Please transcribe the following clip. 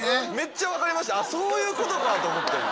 そういうことかと思って。